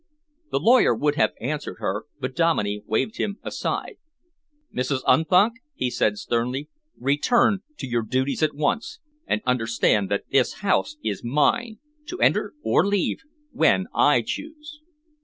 The lawyer would have answered her, but Dominey waved him aside. "Mrs. Unthank," he said sternly, "return to your duties at once, and understand that this house is mine, to enter or leave when I choose."